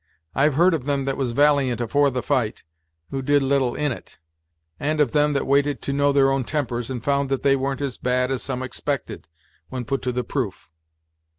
I've heard of them that was valiant afore the fight, who did little in it; and of them that waited to know their own tempers, and found that they weren't as bad as some expected, when put to the proof."